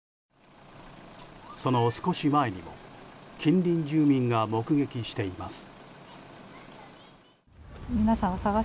その少し前にも近隣住民が目撃しています。